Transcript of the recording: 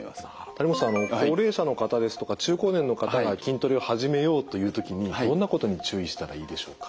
谷本さんあの高齢者の方ですとか中高年の方が筋トレを始めようという時にどんなことに注意したらいいでしょうか？